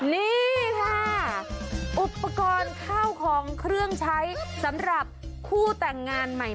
นี่ค่ะอุปกรณ์ข้าวของเครื่องใช้สำหรับคู่แต่งงานใหม่